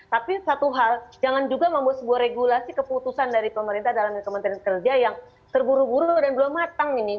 tapi satu hal jangan juga membuat sebuah regulasi keputusan dari pemerintah dalam kementerian kerja yang terburu buru dan belum matang ini